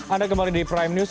anda kembali di prime news